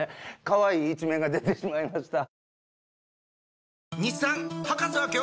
かわいい一面が出てしまいました。